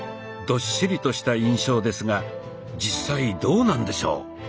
どっしりとした印象ですが実際どうなんでしょう？